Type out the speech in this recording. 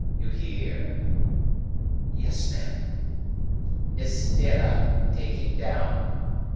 You hear?" "Yes, ma'am." "Estella, take him down.